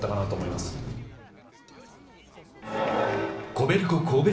コベルコ神戸